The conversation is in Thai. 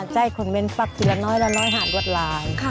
ใจขนเม้นท์ฟักทีละน้อยละน้อยหาดวดลาย